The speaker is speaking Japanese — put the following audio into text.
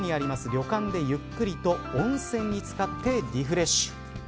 旅館でゆっくりと温泉につかってリフレッシュ。